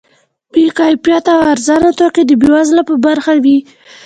بې کیفیته او ارزانه توکي د بې وزلو په برخه وي.